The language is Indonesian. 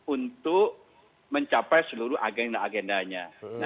untuk mencapai seluruh agenda agenda nya